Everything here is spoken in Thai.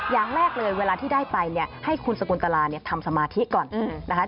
อย่างแรกเลยเวลาที่ได้ไปเนี่ยให้คุณสกลตลาเนี่ยทำสมาธิก่อนนะคะ